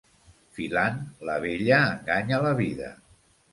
Filant, la vella enganya la vida.